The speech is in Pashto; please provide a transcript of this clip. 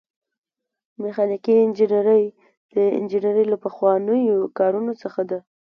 میخانیکي انجنیری د انجنیری له پخوانیو کارونو څخه ده.